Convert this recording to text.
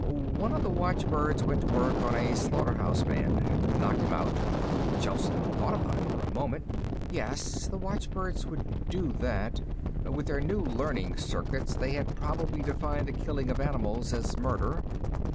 "One of the watchbirds went to work on a slaughterhouse man. Knocked him out." Gelsen thought about it for a moment. Yes, the watchbirds would do that. With their new learning circuits, they had probably defined the killing of animals as murder.